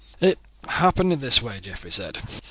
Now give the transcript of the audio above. "It happened in this way," Geoffrey said.